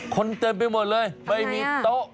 คนเต็มไปหมดเลยไม่มีโต๊ะ